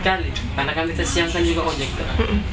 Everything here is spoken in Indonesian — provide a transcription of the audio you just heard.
karena kan kita siang kan juga wajah kita